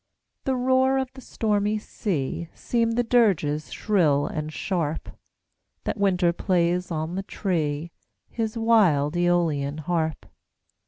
The roar of the stormy sea Seem the dirges shrill and sharp That winter plays on the tree His wild Æolian harp.